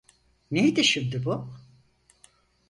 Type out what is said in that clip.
Neydi şimdi bu?